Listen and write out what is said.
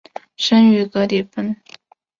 生于格里芬。